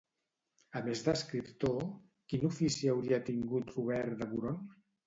A més d'escriptor, quin ofici hauria tingut Robert de Boron?